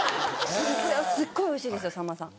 すっごいおいしいですよさんまさん。